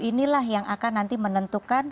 inilah yang akan nanti menentukan